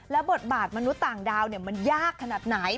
บทบาทมนุษย์ต่างดาวมันยากขนาดไหน